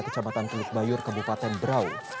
ke cabatan keluk bayur kabupaten berau